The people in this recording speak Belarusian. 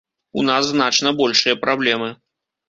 У нас значна большыя праблемы.